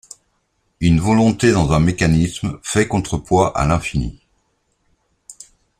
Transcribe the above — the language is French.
Une volonté dans un mécanisme fait contre-poids à l’infini.